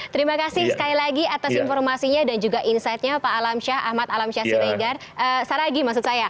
terima kasih sekali lagi atas informasinya dan juga insightnya pak alam syah ahmad alam syah siregar